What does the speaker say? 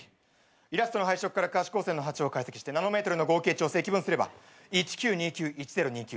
イラストの配色から可視光線の波長を解析してナノメートルの合計値を積分すれば１９２９１０２９。